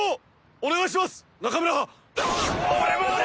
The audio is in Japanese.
お願いします！